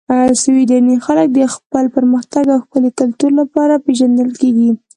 سویدني خلک د خپل پرمختګ او ښکلي کلتور لپاره پېژندل کیږي.